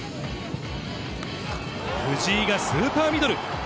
藤井がスーパーミドル。